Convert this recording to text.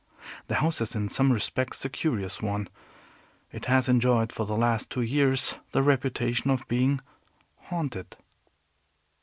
The house is in some respects a curious one. It has enjoyed for the last two years the reputation of being haunted.